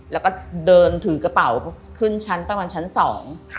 แล้วก็เดินถือกระเป๋าขึ้นชั้นประมาณชั้นสอง